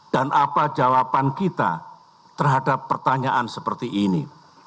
dan apa jawaban kita terhadap pertanyaan seperti ini